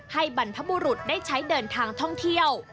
บรรพบุรุษได้ใช้เดินทางท่องเที่ยว